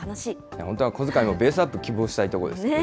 本当は小遣いもベースアップを希望したいところですけどね。